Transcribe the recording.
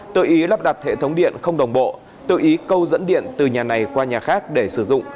tự ý lắp đặt hệ thống điện không đồng bộ tự ý câu dẫn điện từ nhà này qua nhà khác để sử dụng